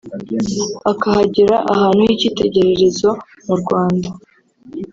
akahagira ahantu h’icyitegererezo mu Rwanda